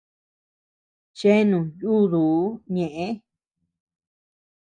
Cheanu yúduu ñeʼë.